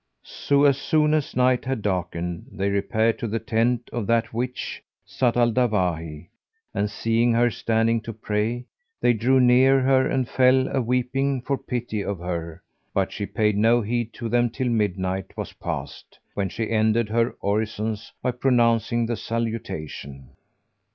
So as soon as night had darkened, they repaired to the tent of that witch, Zat al Dawahi; and, seeing her standing to pray, they drew near her and fell a weeping for pity of her; but she paid no heed to them till midnight was past, when she ended her orisons by pronouncing the salutation.